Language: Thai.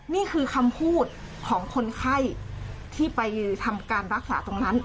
นี่คือคำพูดของคนไข้ที่ไปทำการรักษาตรงนั้น